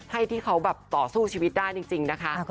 ให้ที่เขาแบบต่อสู้ชีวิตได้จริงนะคะ